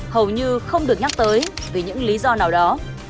hầu như không được nhắc tới vì những lý do nào đó